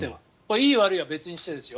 いい悪いは別にしてですよ。